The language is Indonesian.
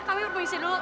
kami berbohongi dulu